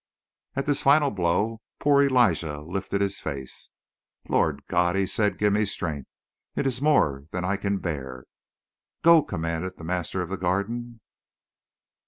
At this final blow poor Elijah lifted his face. "Lord God!" he said, "give me strength. It is more than I can bear!" "Go!" commanded the master of the Garden.